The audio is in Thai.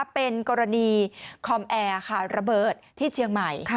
เป็นกรณีคอมแอร์ระเบิดที่เชียงใหม่